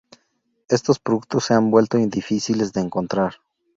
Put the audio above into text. Estos productos se han vuelto difíciles de encontrar.